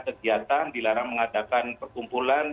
kegiatan di bilarang mengadakan perkumpulan